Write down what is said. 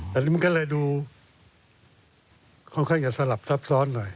อันนี้มันก็เลยดูค่อนข้างจะสลับซับซ้อนหน่อย